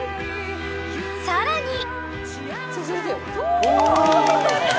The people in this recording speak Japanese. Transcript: ［さらに］